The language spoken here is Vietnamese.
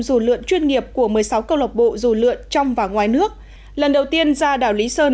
du lượn chuyên nghiệp của một mươi sáu cơ lộc bộ du lượn trong và ngoài nước lần đầu tiên ra đảo lý sơn